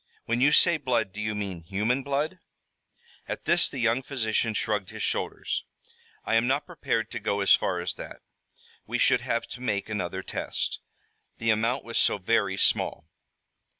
When you say blood do you mean human blood?" At this the young physician shrugged his shoulders. "I am not prepared to go as far as that. We should have to make another test. The amount was so very small."